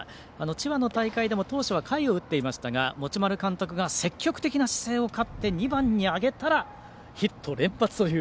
千葉の大会でも当初は下位を打っていましたが持丸監督が積極的な姿勢を買って２番に上げたらヒット連発という。